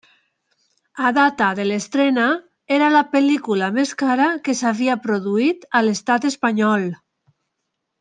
A data de l'estrena, era la pel·lícula més cara que s'havia produït a l'estat espanyol.